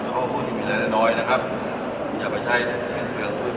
เพราะด้วยผู้ดูด็ยหมดตัวหน่อยดูด้วยเส้นเฟือง